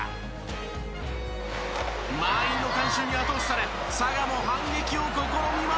満員の観衆に後押しされ佐賀も反撃を試みますが。